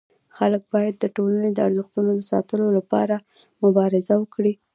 خلک باید د ټولني د ارزښتونو د ساتلو لپاره مبارزه وکړي.